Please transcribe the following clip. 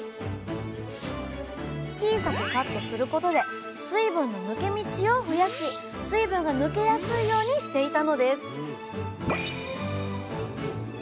小さくカットすることで水分の抜け道を増やし水分が抜けやすいようにしていたのです